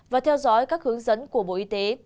và theo dõi các hướng dẫn của bộ y tế